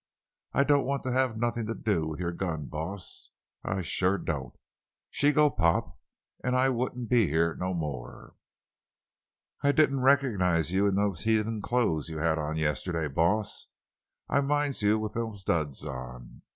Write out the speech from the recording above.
I don't want to have nothin' to do with your gun, boss—I shuah don't. She'd go 'pop,' an' I wouldn't be heah no more! "I didn't reco'nize you in them heathen clo's you had on yesterday, boss; but I minds you with them duds on.